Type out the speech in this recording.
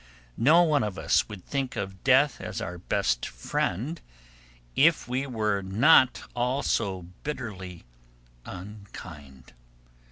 No one of us would think of Death as our best friend, if we were not all so bitterly unkind.